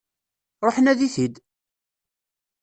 Ruḥ nadi-t-id!